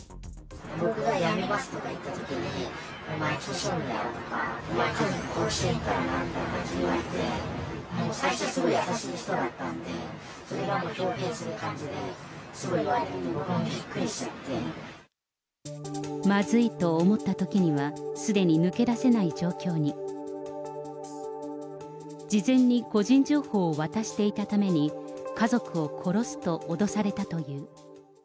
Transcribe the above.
僕がやめますとか言ったときに、お前調子乗んなよとか、お前家族殺しに行くからなみたいな感じに言われて、最初、すごい優しい人だったんで、それが豹変する感じで、すごい言われるんで、まずいと思ったときには、すでに抜け出せない状況に。事前に個人情報を渡していたために、家族を殺すと脅されたという。